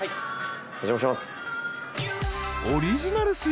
お邪魔します。